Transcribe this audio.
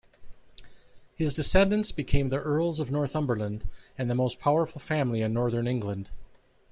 His descendants became the Earls of Northumberland, the most powerful family in northern England.